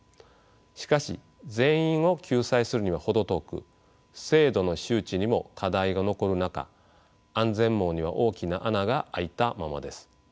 しかし全員を救済するには程遠く制度の周知にも課題が残る中安全網には大きな穴が開いたままです。